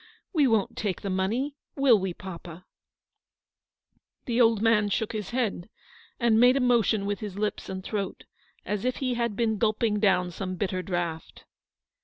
"We won't take, the money, will we, papa ?" The old man shook his head, and made a motion with his lips and throat, as if he had been gulping down some bitter draught.